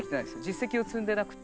実績を積んでなくて。